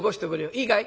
いいかい？